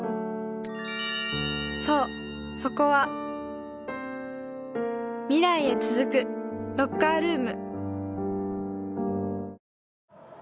そう、そこは未来へ続くロッカールーム。